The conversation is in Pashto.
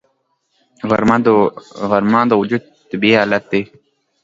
غرمه د وجود طبیعي حالت دی